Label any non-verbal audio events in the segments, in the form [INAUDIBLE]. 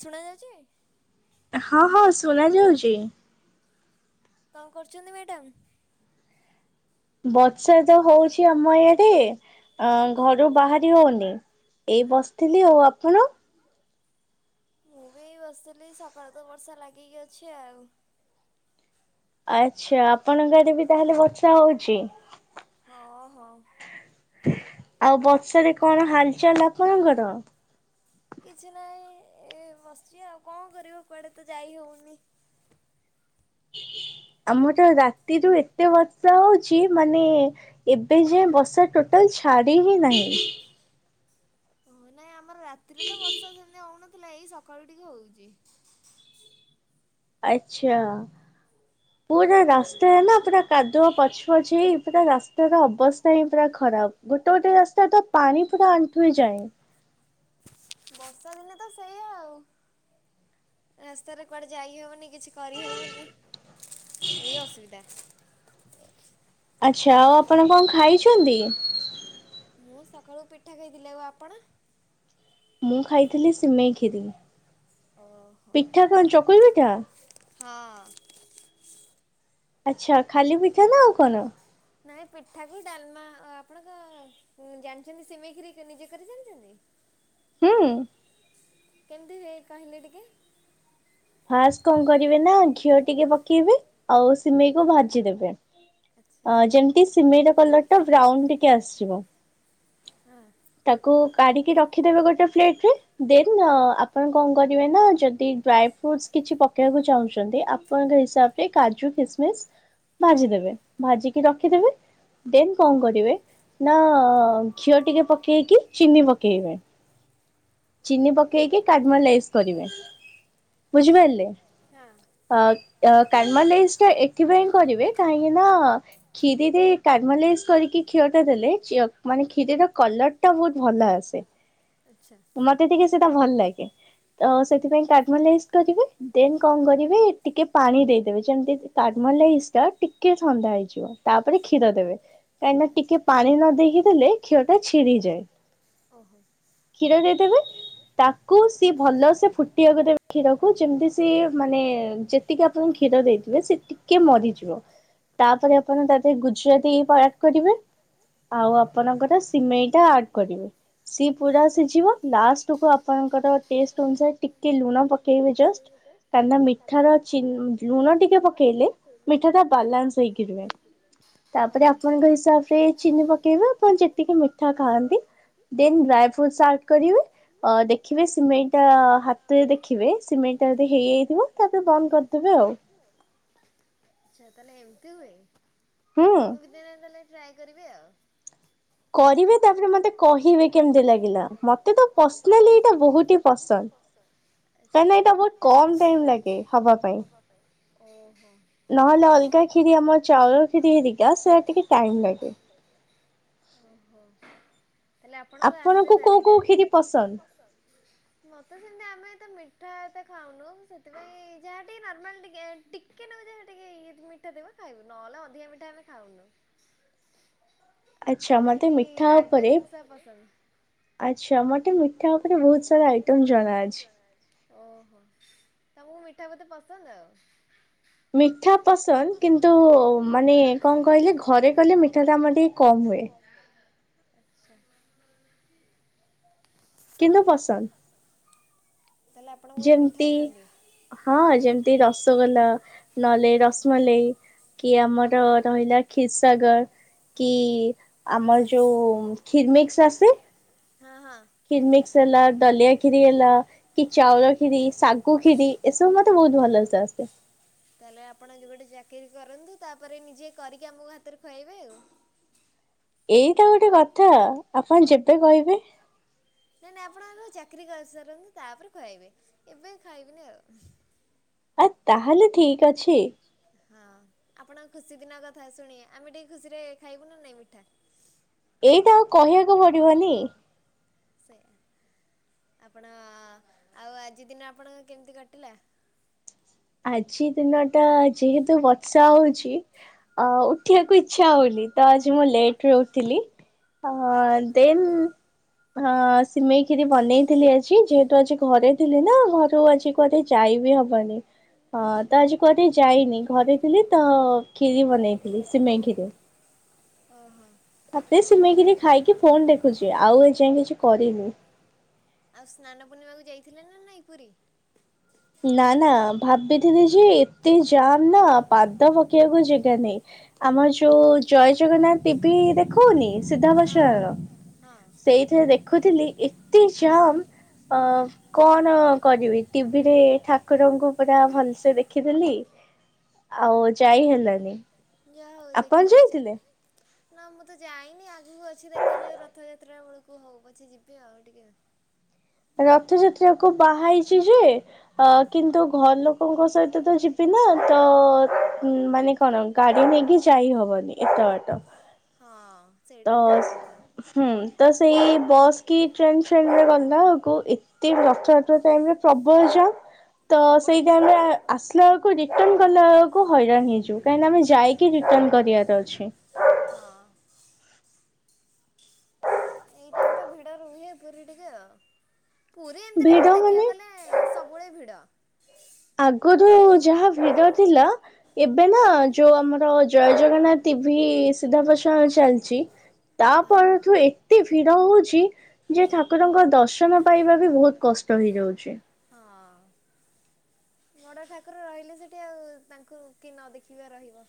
ଶୁଣାଯାଉଚି? ହଁ -ହଁ ସୁଣା ଯାଉଚି। କଣ କରୁଚନ୍ତି ମ୍ୟାଡାମ୍? ବର୍ଷା ତ ହୋଉଛି ଆମ ଇଆଡେ, ଅ ଘରୁ ବାହାରି ହୋଉନି। ଏଇ ବସଥିଲି, ଆଉ ଆପଣ? ମୁଁ ବି ଏଇ ବସିଥିଲି ସକାଳୁ ତ ବର୍ଷା ଲାଗିକି ଅଛି ଆଉ। ଆଚ୍ଛା, ଆପଣଙ୍କ ଆଡେ ବି ତାହେଲେ ବର୍ଷା ହୋଉଚି। ହଁ -ହଁ। ଆଉ ବର୍ଷା ରେ କଣ ହାଲ୍ ଚାଲ୍ ଆପଣଙ୍କର? କିଛି ନାହିଁ ଏ ବସିଛି ଆଉ କଣ କରିବ କୁଆଡ଼େ ତ ଯାଇ ହୋଉନି। ଆମ ତା ରାତିରୁୁ ଏତେ ବର୍ଷା ହୋଉଛି ମାନେ ଏବେ ଯାଏ ବର୍ଷା ଟୋଟାଲ୍ ଛାଡି ହିଁ ନାହିଁ। ହଁ ନାଇଁ ଆମର ରାତିରେ ତ ବର୍ଷା ସେମିତି ହୋଉନଥିଲା, ଏଇ ସକାଳୁ ଟିକେ ହୋଉଛି। ଆଚ୍ଛା ପୁରା ରାସ୍ତା ହେ ନା ପୁରା କାଦୁଅ ପଚ୍ ପଚ୍ ହେଇ ପୁରା ରାସ୍ତତାାର ଅବସ୍ଥା ହିଁ ପୁରା ଖରାପ୍, ଗୋଟେ ଗୋଟେ ରାସ୍ତା ତ ପାଣି ପୁରା ଆଣ୍ଠୁଏ ଯାଏ। ବର୍ଷା ଦିନେ ତ ସେୟା ଆଉ। ରାସ୍ତାରେ କୁଆଡ଼େ ଯାଇ ହେବନି କିଛି କରିହେବନି ଏଇ ଅସୁବିଧା। ଆଚ୍ଛା ଆଉ ଆପଣ କଣ ଖାଇଛନ୍ତି? ମୁଁ ସକାଳୁ ପିଠା ଖାଇିଥିଲି ଆଉ ଆପଣ? ମୁଁ ଖାଇଥିଲି ସିମେଇ ଖିରି। ଓହୋ ହଁ। ଆଚ୍ଛା ଖାଲି ପିଠା ନା ଆଉ କଣ? ନାଇଁ ପିଠାକୁ ଡାଲମା ଆପଣ ତ ଜାଣିଛନ୍ତି ସିମେଇ ଖିରି ନିଜେ କରି ଜାଣିଛନ୍ତି? ହୁଁ କେମିତି ହେଇ କହିଲ ଟିକେ? ଫାଷ୍ଟ କଣ କରିବେ ନା ଘିଅ ଟିକେ ପକେଇବେ ଆଉ ସିମେଇକୁ ଭାଜିଦେବେ। ଅ ଯେମିତି ସିମେଇର କଲ ଟା ବ୍ରାଉନ ଟିକେ ଆସିଯିବ ହଁ ତାକୁ କାଢିକି ରଖିଦବ ଗୋଟେ ପ୍ଲେଟରେ ଦେନ୍ ଆପଣ କଣ କରିବେ ନା ଯଦି ଡ୍ରାଇଭ କିଛି ପକେଇବାକୁ ଚାହୁଁଛନ୍ତି ଆପଣଙ୍କ ହିସାବରେ କାଜୁ ଖିସମିସ୍। ଭାଜିଦବେ, ଭାଜିିକି ରଖିଦେବେ। ଦେନ୍ କଣ କରିବେ ନା ଘିଅ ଟିକେ ପକେଇକି ଚିନି ପକେଇବେ। ଚିନି ପକେଇକି କାଡମଲାଇଯ କରିବେ, ବୁଝିପାରିଲେ। ଅ ଆ କାଡମାଲାଇଯ ଏଥିପାଇ କରିବେ କାହିଁକି ନା ଖିରିରେ କାଡମାଲାଇଯ କରିକି କ୍ଷୀରଟା ଦେଲେ ମାନେ କ୍ଷୀରର କଲରଟା ବହୁତ ଭଲ ଆସେ। ଆଚ୍ଛା ମତେ ଟିକେ ସେଟା ଭଲ ଲାଗେ ତ ସେଥିପାଇଁ କାଡମାଲାଇଯ କରିବେ। ଦେନ୍ କଣ କରିବି ଟିକେ ପାଣି ଦେଇଦେବେ ଯେମିତି କାଡମାଲାଇଯଟା ଟିକେ ଥଣ୍ଡା ହେଇଯିବ। ତାପରେ କ୍ଷୀର ଦେବେ କାହିଁକିନା ଟିକେ ପାଣି ନ ଦେଇକି ଦେଲେ କ୍ଷୀରଟା ଛିଡିଯାଏ। ଓହୋ କ୍ଷୀର ଦେଇଦେବେ। ତାକୁ ସିଏ ଭଲ ସେ ଫୁଟିବାକୁ ଦେବେ ସେ କ୍ଷୀରକୁ ଯେମତି ସିଏ ମାନେ ଟିକେ ଆପଣ କ୍ଷୀର ଦେଇଥିବେ ସେ ଟିକେ ମରିଯିବ। ତାପରେ ଆପଣ ତା ଦିହରେ ଗୁଜୁରାତି ପାକ୍ କରିବେ ଆଉ ଆପଣଙ୍କର ସିମେଇଟା ଆଡ କରିବେ, ସିଏ ପୁରା ସିଝିବ ଲାଷ୍ଟକୁ ଆପଣଙ୍କର ଟେଷ୍ଟ ଅନୁସାରେ ଟିକେ ଲୁଣ ପକେଇବେ ଜଷ୍ଟ କାହିଁକିନା ମିଠାର ଲୁଣ ଟିକେ ପକେଇଲେ। ମିଠାଟା ବାଲାନ୍ସ ହେଇକିି ରୁହେ ତାପରେ ଆପଣଙ୍କ ହିସାବରେ ଚିନି ପକେଇବେ, ଆପଣ ଯେତିକି ମିଠା ଖାଆନ୍ତି ଦେନ ଡ୍ରାଏ ଫ୍ରୁଟସ ଆଡ କରିବେ, ଦେଖିବେ ସିମେଇଟା ତ ହାତରେ ଦେଖିବେ ସିମେଇଟା ଯଦି ହେଇଯାଇଥିବ ତାପରେ ବନ୍ଦ କରିଦେବେ ଆଉ। ଆଛା ତାହେଲେ ଏମିତି ହୁଏ? ହୁଁ ଦିନେ ତାହେଲେ ଟ୍ରାଏ କରିବି ଆଉ। କରିବେ ତାପରେ ମତେ କହିବେ କେମିତି ଲାଗିଲା ମତେତ ପର୍ସନାଲି ଏଇଟା ବହୁତ ହି ପସନ୍ଦ। କାହିଁକି ନା ଏଟା ବହୁତ୍ କମ୍ ଟାଇମ୍ ଲାଗେ ହବା ପାଇଁ, ଆଚ୍ଛା ଓହୋ ନହେଲେ ଅଲଗା କ୍ଷିରି ଆମ ଚାଉଳ କ୍ଷୀରି ହେରିକା ସେଇଟା ଟିକେ ଟାଇମ ଲାଗେ। ଓହୋ ତାହେଲେ ଆପଣଙ୍କୁ ଆସେ ତାହଲେ ଏଇଟା, ଆପଣଙ୍କୁ କଉ କଉ କ୍ଷୀରି ପସନ୍ଦ? ମୋତେ ସେମିତି ଆମେ ଏତେ ମିଠା ଏତେ ଖାଉନୁ ସେଥିପାଇଁ ଯାହା ଟିକେ ନର୍ମାଲ ଟିକେ। ଟିକେ ନେବେ ଯାହା ଟିକେ ଇଏ ମିଠା ଦେବେ ଖାଇବୁ ନହେଲେ ଅଧିକା ମିଠା ଆମେ ଖାଉନୁ। ଆଚ୍ଛା ମତେ ମିଠା ଉପରେ, ଆଛା ମତେ ମିଠା ଉପରେ ବହୁତ ସାରା ଆଇଟମ ଜଣା ଅଛି। ଓହୋ ତାମକୁ ମିଠା ବୋଧେ ପସନ୍ଦ ଆଉ। ମିଠା ପସନ୍ଦ କିନ୍ତୁ ମାନେ କଣ କହିଲେ ଘରେ କଲେ ମିଠାଟା ଆମର ଟିକେ କ ଆଚଛା। କିନ୍ତୁ ପସନ୍ଦ। ଯେମତି ହଁ ଯେମିତି ରସଗୋଲା ନହଲେ ରସମଲେଇ। କି ଆମର ରହିଲା ଖିସ୍ ସାଗର କି ଆମର ଯୋଉ ଖିରମିକ୍ସ ଆସେ। ହଁ ହଁ। ଖିର ମିିକ୍ସ ହେଲା ଦଲିଆ ଖିରି ହେଲା। କି ଚାଉଳ କ୍ଷିରିୀ ଶାଗୁ କ୍ଷୀରି ଏସବୁ ମତେ ବହୁତ ଭଲ ସେ ଆସେ। ତାହେଲେ ଆପଣ ଯଉ ଗୋଟେ ଚାକିରି କରନ୍ତୁ ତାପରେ ନିଜେ କରିକି ଆମକୁ ହାତରେ ଖୁଆଇବେ ଆଉ। ଏଇଟା ଗୋଟେ କଥା ଆପଣ ଯେବେ କହିବେ। ନାଇଁ ନାଇଁ ଆପଣ ଆଗ ଚାକିରି କରିସାରନ୍ତୁ ତାପରେ ଖୁଆଇବେ ଏବେ ଖାଇବିନି ଆଉ। ଆ ତାହେଲେ ଠିକ ଅଛି। ହଁ ଆପଣଙ୍କ ଖୁସି ଦିନ କଥା ଶୁଣି ଆମେ ଟିକେ ଖୁସିରେ ଖାଇବୁ ନା ନାଇଁ ମିଠା। ଏଇଟା ଆଉ କହିବାକୁ ପଡିବନି। ସେୟା ଆପଣ ଆଉ ଆଜି ଦିନ ଆପଣଙ୍କ କେମିତି କଟିଲା? ଆଜି ଦିନ ଟା ଯେହେତୁ ବର୍ଷା ହଉଛି ଅ ଉଠିବାକୁ ଇଚ୍ଛା ହଉନି ତ ଆଜି ମୁଁ ଲେଟ ରେ ଉଠିଲି। ଅ ଦେନ୍ ହଁ ସିମେଇ ଖିରି ବନେଇଥିଲି ଆଜି ଯେହେତୁ ଆଜି ଘରେ ଥିଲି ନା ଘରୁ ଆଜି କୁଆଡେ ଯାଇବି ହବନି। ହଁ ତ ଆଜି କୁଆଡେ ଯାଇନି ଘରେ ଥିଲି ତ କ୍ଷିରି ବନେଇଥିଲି ସିମେଇ କ୍ଷୀରି। ଓହୋ। ଫତେ ସିମେଇକିରି ଖାଇକି ଫୋନ ଦେଖୁଛି ଆଉ ଏଯାଏଁ କିଛି କରିନି। ଆଉ ସ୍ନାନ ପୂର୍ଣ୍ଣିମାକୁ ଯାଇଥିଲେ ନା ନାଇ ପୁରୀ? ନା ନା ଭାବିଥିନି ଯେ ଏତେ ଯାମ୍ ନା ପାଦ ପକେଇବାକୁ ଜାଗା ନାଇଁ। ଆମର ଯୋଉ ଜୟ ଜଗନ୍ନାଥ ଟିଭି ଦେଖ ଦେଖଉନି ସିଧାପ୍ରସାରଣ ସେଇଥିରେ ଦେଖ ଦେଖୁଥିଲି ଏତେ ଯାମ୍ ଅ କଣ କରିବି ଟି ଟିଭିରେ ଠାକୁରଙ୍କୁ ପୁରା ଭଲସେ ଦେଖିଦେଲିି ଆଉ ଯାଇ ହେଲାନି। ଯାହା ହଉ ଦେଖି ପାରିଛନ୍ତିତ। ନା ମୁଁ ତ ଯାଇନି ଆଗକୁ ଅଛି ଦେଖାଯାଉ ରଥଯାତ୍ରା ବେଳକୁ ହଉ ପଛି ଯିବି ଆଉ ଟିକେ। ରଥଯାତ୍ରାକୁ ବାହାରିଛି ଯେ ଅ କିନ୍ତୁ ଘର ଲୋକଙ୍କ ସହିତ ତ ଯିବି ନା ତ ମାନେ କଣ ଗାଡ଼ି ନେଇକି ଯାଇହବନି ଏତେ ବାଟ। ହଁ। ତ ହୁଁ ତ ସେଇ ବସ୍ କି ଟ୍ରେନ୍ ଫ୍ରେନ ରେ ଗଲା ଆକୁ ଏ ତେ ଏତେ ଲୋକ ରଥଯାତ୍ରା ଟାଇମରେ ପ୍ରବଳ ଯାମ ତ ସେଇ ଟାଇମରେ ଆସିଲା ବେଳକୁ ରିଟର୍ଣ କଲା ବେଳକୁ ହଇରାଣ ହେଇଯିବୁ କାହିଁକିନା ଆମେ ଯାଇକି ରିଟର୍ଣ କରିବାର ଅଛି। ହଁ। ଏଇଟାଇମରେ ତ ଭିଡ ରୁହେ ପୁରୀ ଟିକେ ଆଉ। ପୁରୀ ଏମି଼ତିରେବି ଦେଖିବାକୁ ଗଲେ ସବୁବେଳେ ଭିଡ଼। ଆଗରୁ ଯାହା ଭିଡ ଥିଲା ଏବେ ନା ଯୋଉ ଆମର ଜୟ ଜଗନ୍ନାଥ ଟିଭି ସିଧା ପ୍ରସାର ଚାଲିଛି ତା ପରଠୁ ହି ଏତେ ଭିଡ ହଉଛି ଯେ ଠାକୁରଙ୍କ ଦର୍ଶନ ପାଇବା ବି ବହୁତ କଷ୍ଟ ହେଇଯାଉଛି। ହଁଅ ବଡ଼ ଠାକୁର ରହିଲେ ସେଠି ଆଉ-ଉ-ଉ ତାଙ୍କୁ କିଏ ନ ଦେଖି ବା ରହିବ।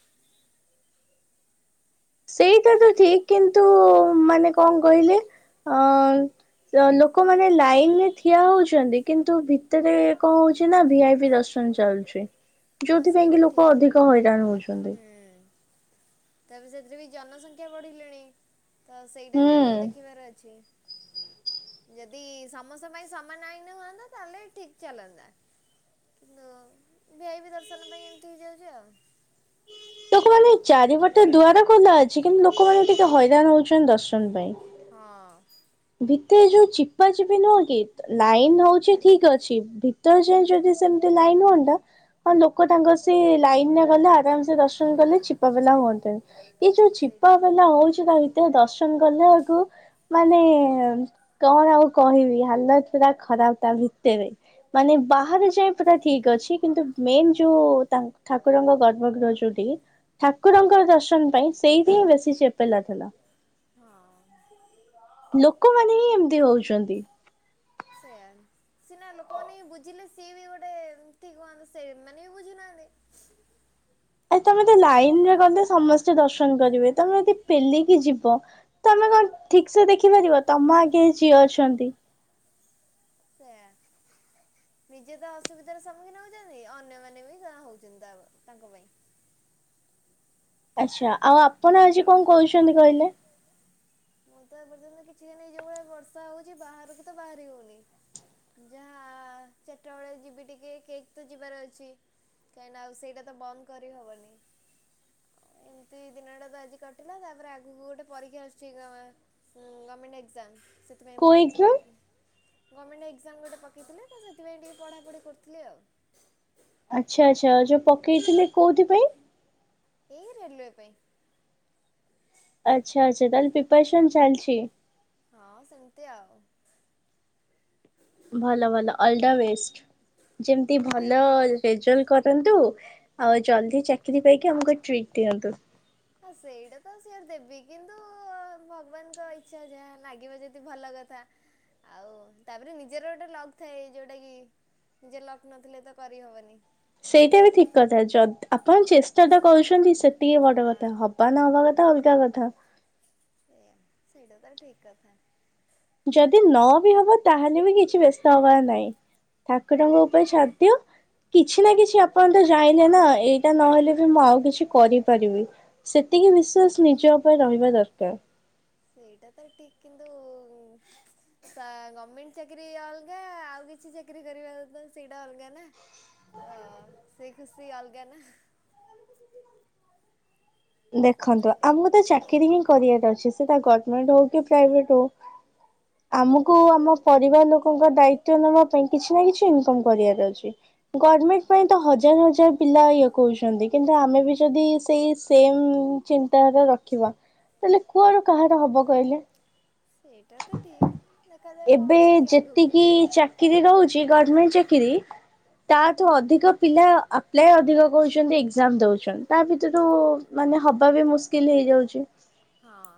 ସେଇଟା ତ ଠିକ୍ କିନ୍ତୁ-ଉ-ଉ ମାନେ କଣ କହିଲେ ଅ ଅ-ଅ ଲୋକମାନେ ଲାଇନରେ ଠିଆ ହଉଛନ୍ତି କିନ୍ତୁ ଭିତରେ କଣ ହଉଛି ନା ଭି ଆଇ ପି ଦର୍ଶ ର୍ଶନ ଚାଲିଛି, ଯୋଉଥି ପାଇଁ କି ଲୋକ ଅଧିକ ହଇରାଣ ହଉଛନ୍ତି। ହୁଁ। ତାପରେ ସେଥିରେ ବି ଜନସଂଖ୍ୟା ବଢିଲେଣି। ତ ସେଇଟା ବି ଆମକୁ ଦେଖିବାର ଅଛି। ଯଦି ସମସ୍ତଙ୍କ ପାଇଁ ସମାନ ଆଇନ ହୁଅନ୍ତା, ତାହେଲେ ଠିକ୍ ଚାଲନ୍ତା। କିନ୍ତୁ ଭି ଆଇ ପି ଦର୍ଶନ ପାଇଁ ଏମିତି ହେଇଯାଉଛି ଆଉ। ଲୋକମାନେ ଚାରିପଟେ ଦୁଆର ଖୋଲା ଅଛି କିନ୍ତୁ ଲୋକମାନେ ଟିକେ ହଇରାଣ ହଉଛନ୍ତି ଦର୍ଶନ ପାଇଁ। ହଁ। ଭିତରେ ଯୋଉ ଚିପାଚିପି ନୁହଁ କି ଲାଇନ ହଉଛି ଠିକ୍ ଅଛି ଭିତର ଯାଏଁ ଯଦି ସେମିତି ଲାଇନ ହୁଅନ୍ତା ତ ଲୋକ ତାଙ୍କର ସେ ଲାଇନରେ ଗଲେ ଆରାମସେ ଦର୍ଶନ କଲେ ଚିପା ପେଲା ହୁଅନ୍ତେନି। ଏ ଯୋଉ ଚିପା ପେଲା ହଉଛି ତା ଭିତରେ ଦର୍ଶନ କଲାଳକୁ ମାନେ ହଁ, କଣ ଆଉ କହିବି ହାଲତ ପୁରା ଖରାପ ତା ଭିତରେ। ମାନେ ବାହାରେ ଯାଏଁ ପୁରା ଠିକ୍ ଅଛି କିନ୍ତୁ ମେନ୍ ଯୋଉ ତାଙ୍କ୍ ଠାକୁରଙ୍କ ଗର୍ଭ ଗୃହ ଯୋଉଠି ଠାକୁରଙ୍କର ଦର୍ଶନ ପାଇଁ ସେଇଠି ହିଁ ବେଶୀ ଚେ ପେଲା ଠେଲା। ହଁ। ଲୋକମାନେ ହିଁ ଏମିତି ହଉଛନ୍ତି। ସେଇଆନ୍। ସିନା ଲୋକମାନେ ବୁଝିଲେ ସିଏ ବି ଗୋଟେ ଏମିତି ହୁଅନ୍ତେ ସେ ମାନେ ବି ବୁଝୁନାହାନ୍ତି। ଆ ତମେ ତ ଲାଇନରେ ଗଲେ ସମସ୍ତ୍ ଦର୍ଶନ କରିବେ ତମେ ଯଦି ପେଲିକି ଯିବ ତମେ କଣ ଠିକ ସେ ଦେଖିପାରିବ ତମ ଆଗରେ ଯିଏ ଅଛନ୍ତି ସେଇଆ। ନିଜେ ତ ଅସୁବିଧାର ସମ୍ମୁଖୀନ ହଉଛନ୍ତି ଅନ୍ୟମାନେ ବି ଯାହା ହଉଛନ୍ତି ତାଙ୍କ ପାଇଁ। ଆଚ୍ଛା, ଆଉ ଆପଣ ଆଜି କଣ କହୁଛନ୍ତି କହିଲେ? ମୁଁ ତ ଏପର୍ଯ୍ୟନ୍ତ କିଛି ହେଇନି, ଯୋଉଭଳିଆ ବର୍ଷା ହଉଛି ବାହାରୁକୁ ତ ବାହାରି ହଉନି। ଯାହା-ଆ-ଆ-ଆ ଚାରିଟାବେଳେ ଯିବି ଟିକେ କେକ୍ ତ ଯିବାର ଅଛି। କାହିଁକି ନା ଆଉ ସେଇଟା ତ ବନ୍ଦ କରି ହବନି। ଏମିତି ଦିନଟା ତ ଆଜି କଟିଲା ତାପରେ ଆଗକୁ ଗୋଟେ ପରୀକ୍ଷା ଆସୁଛି ଏକ୍ସାମ। ଉଁ-ଉଁ ଗମେଣ୍ଟ ଏକ୍ଜାମ ସେଥିପାଇଁ ପକେଇଥିଲି। ଗମେଣ୍ଟ ଏକ୍ଜାମ ଗୋଟେ ପକେଇଥିଲି ତ ସେଥିପାଇଁ ଟିକେ ପଢ଼ାପଢ଼ି କରୁଥିଲି ଆଉ। ଆଚ୍ଛା-ଆଚ୍ଛା ଯୋଉ ପକେଇଥିଲେ କୋଉଥି ପାଇଁ? ଏଇ ରେଲୱେ ପାଇଁ। ଆଚ୍ଛା-ଆଚ୍ଛା ତାହେଲେ ପ୍ରିପ୍ୟାରେସନ୍ ଚାଲିଛି? ହଁ ସେମିତି ଆଉ। ଭଲ-ଭଲ ଅଲ ଦ ବେଷ୍ଟ ଯେମିତି ଭଲ ରେଜଲ୍ଟ କରନ୍ତୁ ଆଉ ଜଲଦି ଚାକିରି ପାଇକି ଆମକୁ ଟ୍ରିଟ୍ ଦିଅନ୍ତୁ। ହଁ ସେଇଟା ତ ସିଓର ଦେବି, କିନ୍ତୁ-ଉ-ଉ-ଉ ଭଗବାନଙ୍କ ଇଚ୍ଛା ଯାହା ଲାଗିବ ଯଦି ଭଲ କଥା। ଆଉ ତାପରେ ନିଜର ଗୋଟେ ଲକ୍ ଥାଏ ଯୋଉଟା କି ନିଜେ ଲକ୍ ନଥିଲେ ତ କରିହେବନି। ସେଇଟା ବି ଠିକ କଥା ଆପଣ ଚେଷ୍ଟା ତ କରୁଛନ୍ତି ସେତିକି ବଡ କଥା ହବା ନହବା କଥା ଅଲଗା କଥା। ସଇଟା ତ ଠିକ କଥା। ଯଦି ନ ବି ହବ ତାହେଲେ ବି କିଛି ବ୍ୟସ୍ତ ହବାର ନାହିଁ। ଠାକୁରଙ୍କ ଉପରେ ଛାଡ଼ି ଦିଅ। କିଛି ନା କିଛି ଆପଣ ତ ଜାଇଲେ ନା ଏଇଟା ନହେଲେ ବି ମୁଁ ଆଉ କିଛି କରିପାରିବି। ସେତିକି ବିଶ୍ବାସନିଜ ଉପରେ ରହିବା ଦରକାର। ସେଇଟା ତ ଟିଠ କିନ୍ତୁ ସା ଗଭର୍ଣମେଣ୍ଟ ଚାକିରୀ ଅଲଗା ଆଉ କିଛି ଚାକିରରି କରିବା ତ ସେଇଟା ଅଲଗା ନା ତ ସେଇ ଖୁସି ଅଲଗା ନା। ଦେଖନ୍ତୁ ଆମେ ତ ଚାକିରି ହିଁ କରିବାର ଅଛି ସେ ତା ଗଭର୍ଣମେଣ୍ଟ ହଉ କି ପ୍ରାଇଭେଟ ହଉ। ହ [UNINTELLIGIBLE] ଆମକୁ ଆମ ପରିବାର ଲୋକଙ୍କ ଦାୟିତ ନେବା ପାଇଁ କିଛି ନା କିଛି ଇନକମ କରିବାର ଅଛି। ଗଭର୍ଣମେଣ୍ଟ ପାଇଁ ତ ହଜାର ହଜାର ପିଲା ଇଏ କହୁଛନ୍ତି କିନ୍ତୁ ଆମେ ବି ଯଦି ସେଇ ସେମ ଚିନ୍ତାରେ ରଖିବା ହେଲେ କଣ କାହାର ହବ କହିଲେ। ସେଇଟା ତ ଠିକ ଦେଖାଯାଉ କଣ ହଉଛି ଆଗକୁ। କିରି ଦହୁଛି ଗମେଣ୍ଟ ଚାକିରି। ତାଠୁ ଅଧିକ ପିଲା ଆପ୍ଲାଏ ଅଧିକ କରୁଛନ୍ତି ଏଜାମ ଦଉଛନ୍ତି ତା ଭିତରୁ ମାନେ ହବା ବି ମୁସ୍କିଲ ହେଇଯାଉଛି। ହଁ।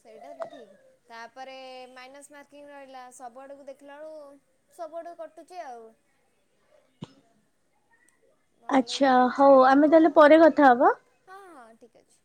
ସେଇଟାବି ଠିକ୍ ତାପରେ ମାଇନସ୍ ମାର୍କିଂ ରହିଲା ସବୁଆଡ଼କୁ ଦେଖିଲା ବେଳୁ ସବୁଆଡୁ କଟୁଚି ଆଉ। ଆଛା ହଉ ଆମେ ତାହେଲେ ପରେ କଥା ହବା। ହଁ ହଁ ଠିକ୍ ଅଛି।